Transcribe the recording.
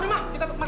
udah pak udah udah